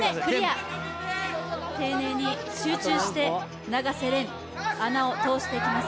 丁寧に集中して、永瀬廉、糸を通していきます。